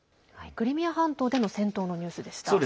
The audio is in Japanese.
クリミア半島での戦闘のニュースでした。